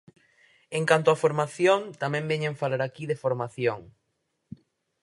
En canto á formación, tamén veñen falar aquí de formación.